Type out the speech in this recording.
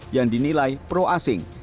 yang dinilai pro asing